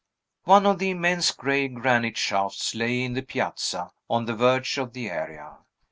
One of the immense gray granite shafts lay in the piazza, on the verge of the area.